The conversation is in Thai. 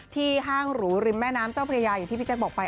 ห้างหรูริมแม่น้ำเจ้าพระยาอย่างที่พี่แจ๊คบอกไป